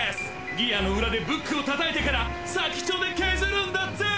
ギアの裏でブックをたたいてからさきっちょでケズるんだぜー！